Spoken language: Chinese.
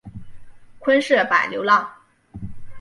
昆士柏流浪